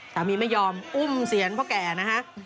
ตามีไม่ยอมอุ้มเศียรเพราะแก่นะฮะ